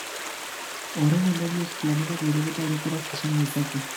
Horren ondorioz, planetak beroketa orokorra jasan lezake.